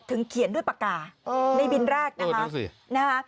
เขียนด้วยปากกาในบินแรกนะคะ